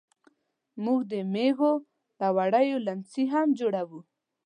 موږ د مېږو له وړیو لیمڅي هم جوړوو.